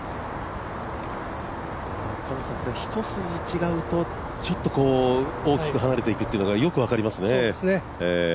一筋違うと、大きく離れていくっていうのがよく分かりますね。